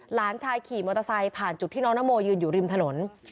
หลานชายขี่มอเตอร์ไซค์ผ่านจุดที่น้องนโมยืนอยู่ริมถนน